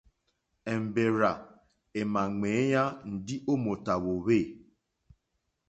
Èmbèrzà èmà ŋwěyá ndí ó mòtà hwòhwê.